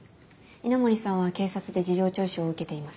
稲森さんは警察で事情聴取を受けています。